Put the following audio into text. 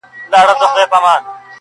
سیاه پوسي ده د مړو ورا ده,